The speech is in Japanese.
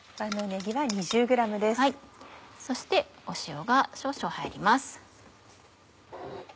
そして塩が少々入ります。